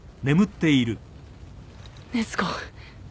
禰豆子。